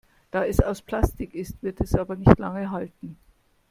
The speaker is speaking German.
Da es aus Plastik ist, wird es aber nicht lange halten.